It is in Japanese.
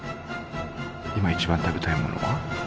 今一番食べたいものは？